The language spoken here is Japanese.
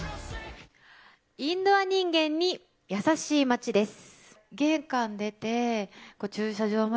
インドア人間に優しい街です。